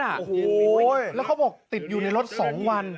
โอ้โหแล้วเขาบอกติดอยู่ในรถ๒วัน